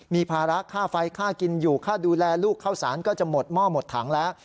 มีภาระค่าไฟค่ากินอยู่ค่าดูแลลูกข้าวสารก็จะหมดหม้อหมดถังแล้ว